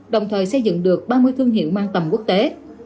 đồng thời xây dựng được ba mươi thương hiệu mang tầm quốc tế